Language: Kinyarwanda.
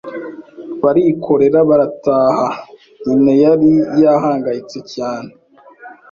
barikorera barataha nyina yari yahangayitse cyane